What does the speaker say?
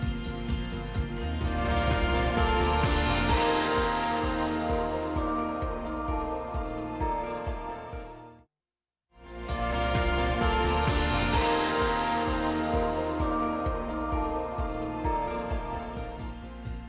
terima kasih ustaz